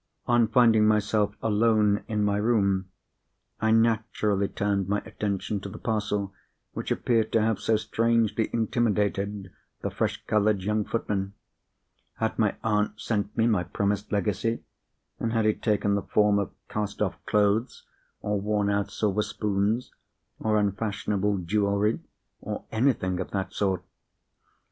On finding myself alone in my room, I naturally turned my attention to the parcel which appeared to have so strangely intimidated the fresh coloured young footman. Had my aunt sent me my promised legacy? and had it taken the form of cast off clothes, or worn out silver spoons, or unfashionable jewellery, or anything of that sort?